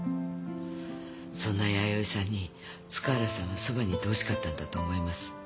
そんな弥生さんに塚原さんは傍にいてほしかったんだと思います。